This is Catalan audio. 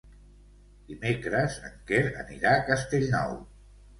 Dimecres en Quer anirà a Castellnou.